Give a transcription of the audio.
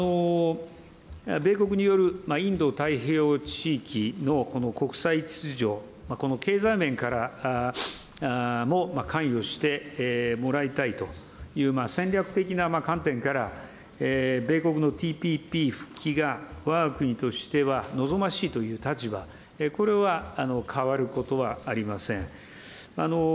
米国によるインド太平洋地域の国際秩序、けいざいめんからも関与してもらいたいという、戦略的な観点から米国のＴＰＰ復帰がわが国としては望ましいという立場、これは変わることはありません。